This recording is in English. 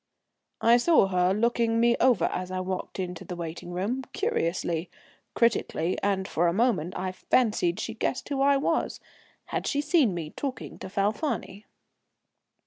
I saw her looking me over as I walked into the waiting room, curiously, critically, and for a moment I fancied she guessed who I was. Had she seen me talking to Falfani?